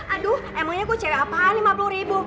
aduh emangnya gue cewek apaan rp lima puluh ribu